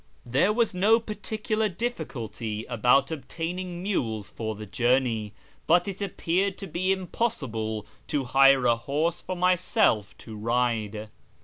There was no particular difficulty about obtaining mules for the journey, but it appeared to be impossible to hire a horse for myself to ride.